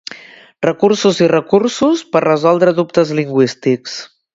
Recursos i recursos per resoldre dubtes lingüístics.